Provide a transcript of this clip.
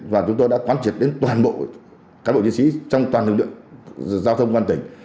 và chúng tôi đã quán triệt đến toàn bộ các bộ chiến sĩ trong toàn hướng đường giao thông quảng tỉnh